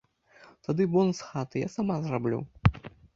Тады вон з хаты, я сама зраблю.